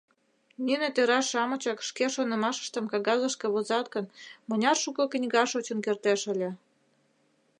Нине тӧра-шамычак шке шонымашыштым кагазышке возат гын, мыняр шуко книга шочын кертеш ыле.